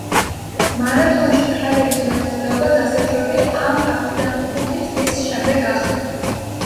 მარათონში ქალების მონაწილეობა დასაშვები ამ ფაქტიდან ხუთ წლის შემდეგ გახდა.